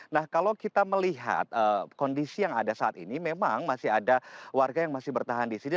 nah kalau kita melihat kondisi yang ada saat ini memang masih ada warga yang masih bertahan di sini